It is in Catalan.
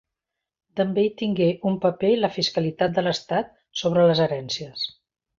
També hi tingué un paper la fiscalitat de l'estat sobre les herències.